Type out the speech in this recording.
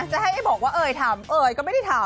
จะให้เอ๋ยบอกว่าเอ๋ยทำเอ๋ยก็ไม่ได้ทำ